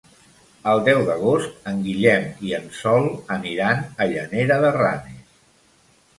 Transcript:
El deu d'agost en Guillem i en Sol aniran a Llanera de Ranes.